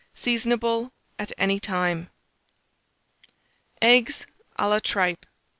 Seasonable at any time. EGGS A LA TRIPE.